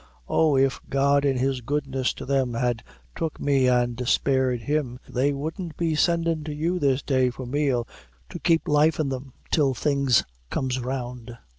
Oh, if God in His goodness to them had took me an' spared him, they wouldn't be sendin' to you this day for meal to keep life in them till things comes round."